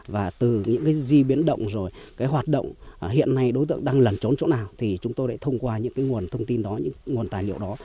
và từ những gì biến động rồi cái hoạt động hiện nay đối tượng đang lần trốn chỗ nào thì chúng tôi đã thông qua những nguồn thông tin đó những nguồn tài liệu đó